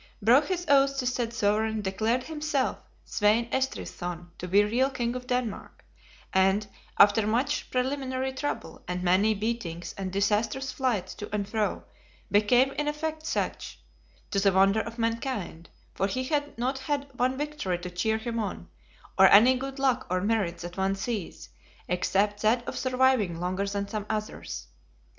Broke his oath to said sovereign, declared himself, Svein Estrithson, to be real King of Denmark; and, after much preliminary trouble, and many beatings and disastrous flights to and fro, became in effect such, to the wonder of mankind; for he had not had one victory to cheer him on, or any good luck or merit that one sees, except that of surviving longer than some others.